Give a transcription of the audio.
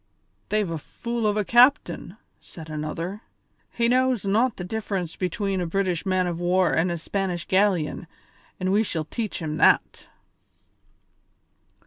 "They've a fool of a captain," said another; "he knows not the difference between a British man of war and a Spanish galleon, but we shall teach him that."